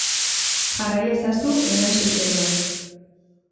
Jarrai ezazu hemen zuzenean.